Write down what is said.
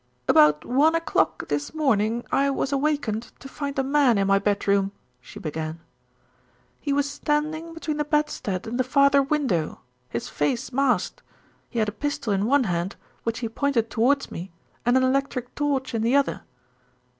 "About one o'clock this morning I was awakened to find a man in my bedroom," she began. "He was standing between the bedstead and the farther window, his face masked. He had a pistol in one hand, which he pointed towards me, and an electric torch in the other.